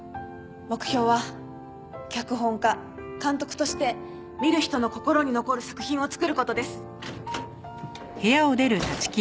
目標は脚本家監督として見る人の心に残る作品を作る事です。